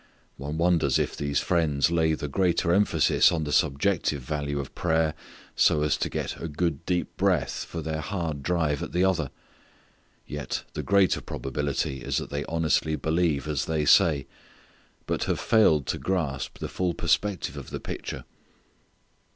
One wonders if these friends lay the greater emphasis on the subjective value of prayer so as to get a good deep breath for their hard drive at the other. Yet the greater probability is that they honestly believe as they say, but have failed to grasp the full perspective of the picture.